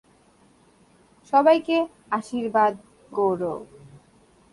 সবাইকে আশীর্বাদ কোরো।